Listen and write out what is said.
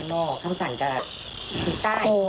แม่คนที่ตายก็ไม่มีใครเชื่อหรอก